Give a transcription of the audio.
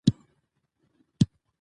پارکونه او سړکونه لاندې کوي.